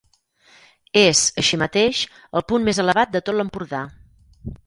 És, així mateix, el punt més elevat de tot l'Empordà.